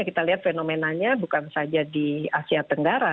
kita lihat fenomenanya bukan saja di asia tenggara